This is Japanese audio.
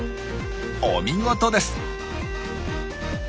お見事です！